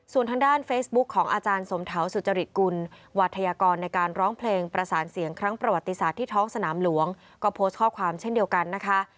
ส่วนทางด้านเฟซบุ๊คของอาจารย์สมเถาสุจริตกุลวัฒยากรในการร้องเพลงประสานเสียงครั้งประวัติศาสตร์ที่ท้องสนามหลวงก็โพสต์ข้อความเช่นเดียวกันนะคะ